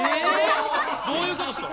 どういうことですか？